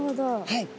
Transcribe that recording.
はい。